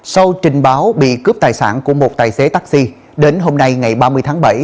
sau trình báo bị cướp tài sản của một tài xế taxi đến hôm nay ngày ba mươi tháng bảy